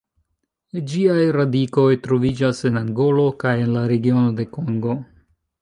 Ĝiaj radikoj troviĝas en Angolo kaj en la regiono de Kongo.